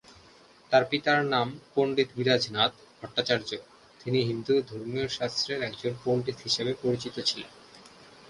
তার পিতার নাম পণ্ডিত বিরাজ নাথ ভট্টাচার্য্য; তিনি হিন্দু ধর্মীয় শাস্ত্রের একজন পণ্ডিত হিসেবে পরিচিত ছিলেন।